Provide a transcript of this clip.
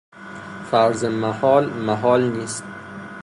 فرض محال محال نیست.